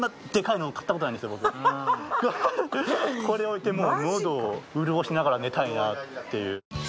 これを置いて喉を潤しながら寝たいなっていう。